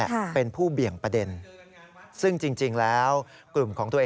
แต่ว่าเป็นผู้เบี่ยงประเด็น